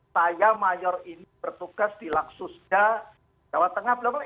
saya mayor ini bertugas di laksusda jawa tengah blablabla